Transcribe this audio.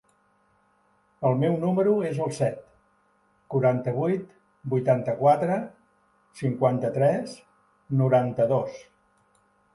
El meu número es el set, quaranta-vuit, vuitanta-quatre, cinquanta-tres, noranta-dos.